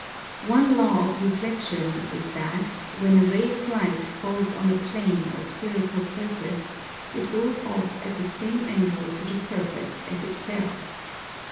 One law of reflection is that, when a ray of light falls on a plane or spherical surface, it goes off at the same angle to the surface as it fell.